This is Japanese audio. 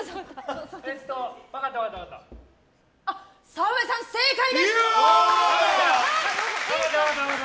澤部さん、正解です！